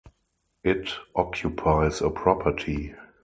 It occupies a property.